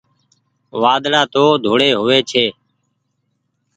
وآڌڙآ تو ڌوڙي هووي ڇي۔